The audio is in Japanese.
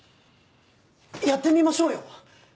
やってみましょうよ。